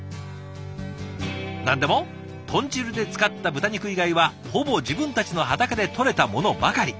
何でも豚汁で使った豚肉以外はほぼ自分たちの畑で採れたものばかり。